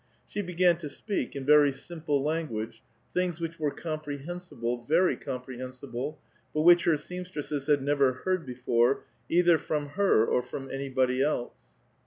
She began to speak, in verj^ simple language, things which were comprehensible, very comprehensible, but which her seamstresses had never heard before, either from her or from anyl)ody else.